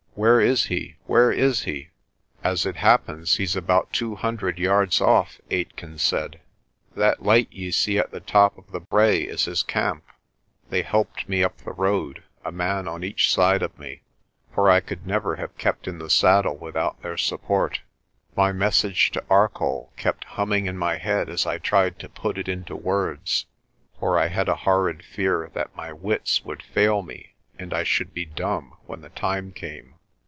Where is he? Where is he?' "As it happens, he's about two hundred yards off," Aitken said. "That light ye see at the top of the brae is his camp." They helped me up the road, a man on each side of me, for I could never have kept in the saddle without their support. My message to Arcoll kept humming in my head as I tried to put it into words, for I had a horrid fear that my wits would fail me and I should be dumb when the time came.